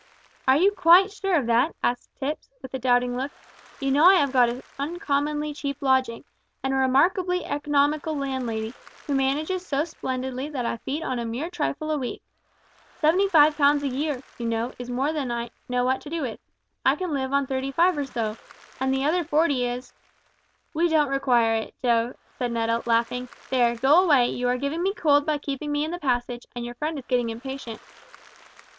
"Are you quite sure of that?" asked Tipps, with a doubting look. "You know I have got an uncommonly cheap lodging, and a remarkably economical landlady, who manages so splendidly that I feed on a mere trifle a week. Seventy five pounds a year, you know, is more than I know what to do with. I can live on thirty five or so, and the other forty is " "We don't require it Joe," said Netta, laughing. "There, go away, you are giving me cold by keeping me in the passage, and your friend is getting impatient."